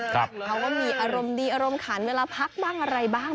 เขาก็มีอารมณ์ดีอารมณ์ขันเวลาพักบ้างอะไรบ้าง